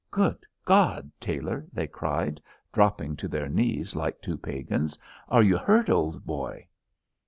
"Good God, Tailor!" they cried, dropping to their knees like two pagans; "are you hurt, old boy?"